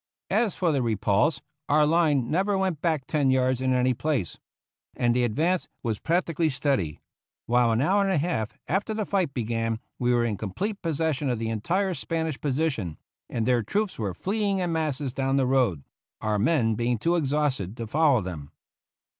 As for the "repulse," our line never went back ten yards in any place, and the advance was practically steady; while an hour and a half after the fight began we were in com plete possession of the entire Spanish position, and their troops were fleeing in masses down the road, our men being too exhausted to follow them.